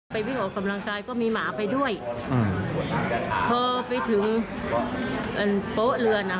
วิ่งออกกำลังกายก็มีหมาไปด้วยอืมพอไปถึงโป๊ะเรือนอ่ะ